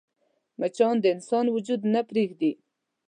مچان د انسان وجود نه پرېږدي